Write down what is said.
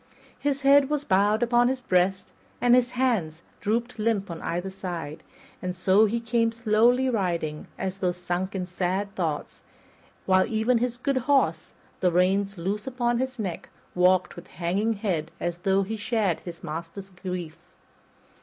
His head was bowed upon his breast and his hands drooped limp on either side; and so he came slowly riding, as though sunk in sad thoughts, while even his good horse, the reins loose upon his neck, walked with hanging head, as though he shared his master's grief.